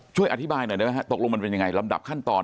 ช่วยอธิบายหน่อยได้ไหมฮะตกลงมันเป็นยังไงลำดับขั้นตอน